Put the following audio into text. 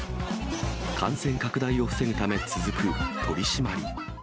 感染拡大を防ぐため続く取締り。